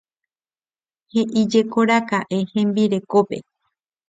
He'íjekoraka'e hembirekópe.